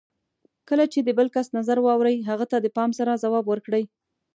کله چې د بل کس نظر واورئ، هغه ته د پام سره ځواب ورکړئ.